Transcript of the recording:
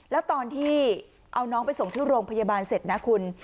แล้วตอนที่เอาน้องไปส่งที่โรงพยาบาลเสร็จนะคุณ